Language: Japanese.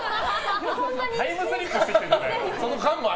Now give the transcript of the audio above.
タイムスリップしてきたんじゃない。